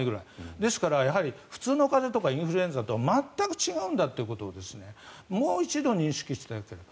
ですからやはり普通の風邪とかインフルエンザとは全く違うんだということをもう一度認識していただければと。